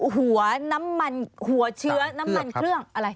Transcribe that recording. หัวน้ำมันหัวเชื้อน้ำมันเครื่องอะไร